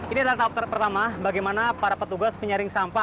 ini adalah tahap pertama bagaimana para petugas penyaring sampah